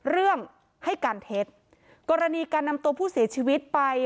เรื่องให้การเท็จกรณีการนำตัวผู้เสียชีวิตไป